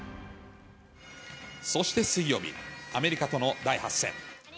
そして水曜日、アメリカとの第８戦。